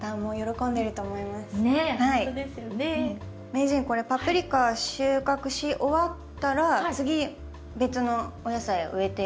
名人これパプリカ収穫し終わったら次別のお野菜植えていいんですか？